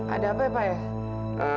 ada apa ya pak ya